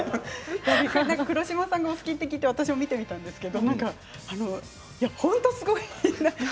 黒島さんがお好きと聞いて私も見てみたんですけど本当に、すごい。